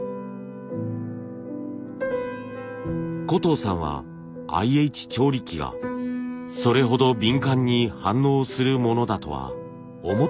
小藤さんはＩＨ調理器がそれほど敏感に反応するものだとは思ってもいませんでした。